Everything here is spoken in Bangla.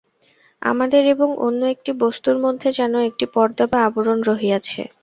আমাদের এবং অন্য একটি বস্তুর মধ্যে যেন একটি পর্দা বা আবরণ রহিয়াছে।